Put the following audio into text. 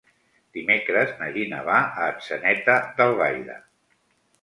Dimecres na Gina va a Atzeneta d'Albaida.